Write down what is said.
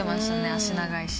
足長いし。